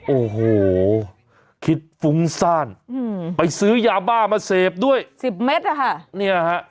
โอ้โหคิดฟุ้งซ่านไปซื้อยาบ้ามาเสพด้วย๑๐เมตรอะค่ะ